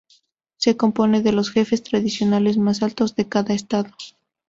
Se compone de los jefes tradicionales más altos de cada estado.